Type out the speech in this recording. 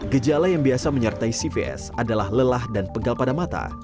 gejala yang biasa menyertai cvs adalah lelah dan pegal pada mata